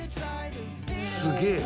すげえ。